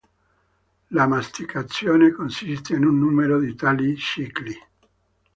La masticazione consiste in un numero di tali cicli.